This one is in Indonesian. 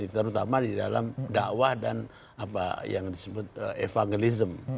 terutama di dalam dakwah dan yang disebut evangelism